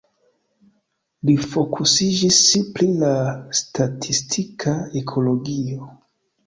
Li fokusiĝis pri la statistika ekologio.